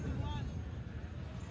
dengan jarak efektif dua ribu meter